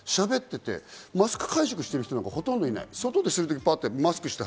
マスク会食してる人なんか、ほとんどいない。